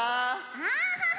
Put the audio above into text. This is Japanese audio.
アハハハ！